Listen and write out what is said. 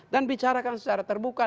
dan bicarakan secara terbuka